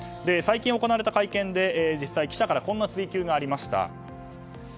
最近行われた会見で実際に記者からこんな追及がありました。